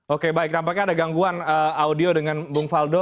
oke baik nampaknya ada gangguan audio dengan bung faldo